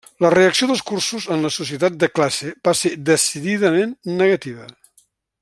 La reacció dels cursos en la societat de classe va ser decididament negativa.